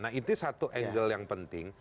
nah itu satu angle yang penting